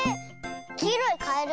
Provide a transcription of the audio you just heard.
きいろいカエル？